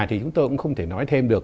thì chúng tôi cũng không thể nói thêm được